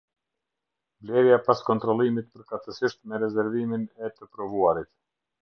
Blerja pas kontrollimit përkatësisht me rezervimin e të provuarit.